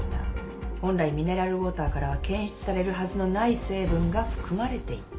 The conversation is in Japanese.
本来ミネラルウオーターからは検出されるはずのない成分が含まれていた。